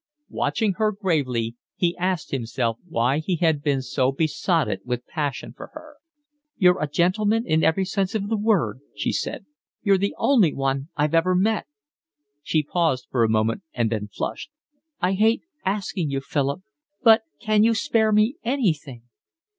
Watching her gravely, he asked himself why he had been so besotted with passion for her. "You're a gentleman in every sense of the word," she said. "You're the only one I've ever met." She paused for a minute and then flushed. "I hate asking you, Philip, but can you spare me anything?"